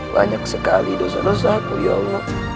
banyak sekali dosa dosaku ya allah